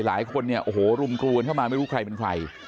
หลายคนเนี่ยโอ้โหรุมกรูกันเข้ามาไม่รู้ใครเป็นใคร